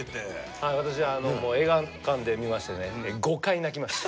はい私映画館で見ましてね５回泣きました。